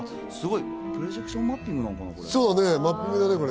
プロジェクションマッピングなんかなこれ。